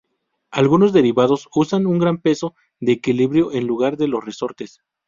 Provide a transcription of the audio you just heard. Algunos derivados usan un gran peso de equilibrio en lugar de los resortes.